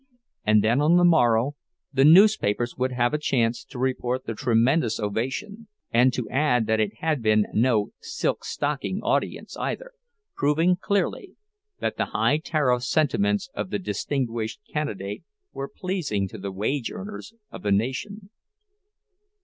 And then on the morrow the newspapers would have a chance to report the tremendous ovation, and to add that it had been no "silk stocking" audience, either, proving clearly that the high tariff sentiments of the distinguished candidate were pleasing to the wage earners of the nation.